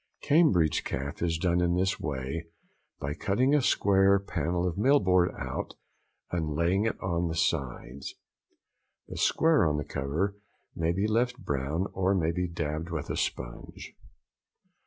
Cambridge calf is done in this way by cutting a square panel of mill board out and laying it on the sides. The square on the cover may be left brown or may be dabbed with a sponge.